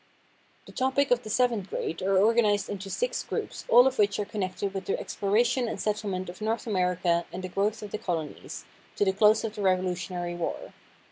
The topics of the seventh grade are organized into six groups, all of which are connected with the exploration and settlement of North America and the growth of the colonies, to the close of the Revolutionary War.